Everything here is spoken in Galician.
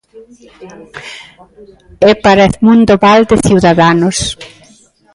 E para Edmundo Val, de Ciudadanos.